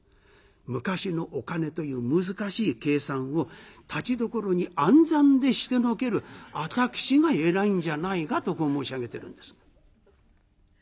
昔のお金という難しい計算をたちどころに暗算でしてのける私がえらいんじゃないかとこう申し上げてるんです。